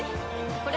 これ！